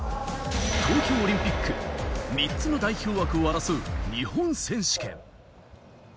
東京オリンピック３つの代表枠を争う日本選手権。